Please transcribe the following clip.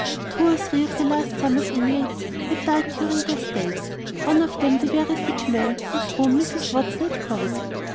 Two or three of the last summer's inmates had died during their stay, one of them the very sick man whose room Mrs. Watson had coveted.